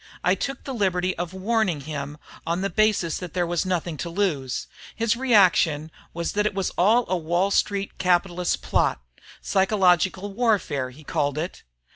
I took the liberty of warning him, on the basis that there was nothing to lose. His reaction then was that it was all a Wall Street capitalist plot 'psychological warfare,' he called it.